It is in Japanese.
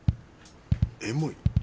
エモい？